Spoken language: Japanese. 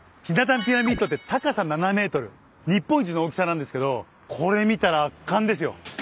ピラミッドって高さ７ｍ日本一の大きさなんですけどこれ見たら圧巻ですよ。